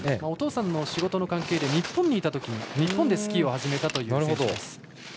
お父さんの仕事の関係で日本にいたときに日本でスキーを始めたということです。